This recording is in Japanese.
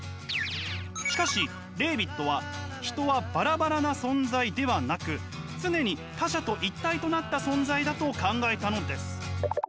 しかしレーヴィットは人はバラバラな存在ではなく常に他者と一体となった存在だと考えたのです。